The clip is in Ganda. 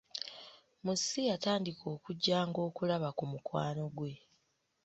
Musisi yatandika okujjanga okulaba ku mukwano gwe.